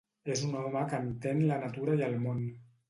És un home que entén la natura i el món.